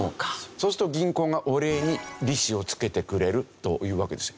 そうすると銀行がお礼に利子を付けてくれるというわけですよ。